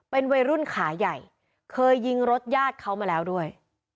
เป็นวัยรุ่นขาใหญ่เคยยิงรถญาติเขามาแล้วด้วย